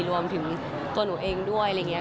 รวมถึงตัวหนูเองด้วยอะไรอย่างนี้